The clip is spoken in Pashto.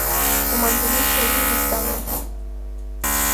خو منځنۍ پېړۍ اوږده وه.